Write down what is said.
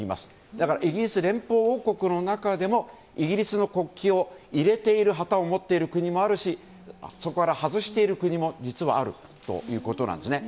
だからイギリス連邦王国の中でもイギリスの国旗を入れている旗を持っている国もあるし外している国も実はあるということなんですね。